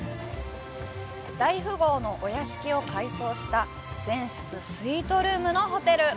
大富豪のお屋敷を改装した全室スイートルームのホテル。